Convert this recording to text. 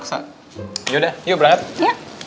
yaudah yuk brad